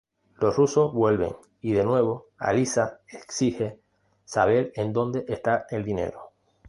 Los rusos vuelven y, de nuevo, Alisa exige saber en dónde está el dinero.